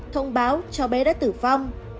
thông báo cho bé đã tử vong